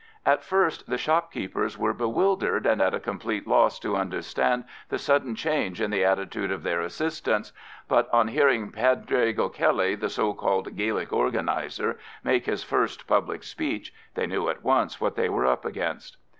At first the shopkeepers were bewildered and at a complete loss to understand the sudden change in the attitude of their assistants, but on hearing Paidraig O'Kelly, the so called Gaelic organiser, make his first public speech, they knew at once what they were up against.